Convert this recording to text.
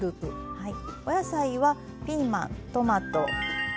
はい。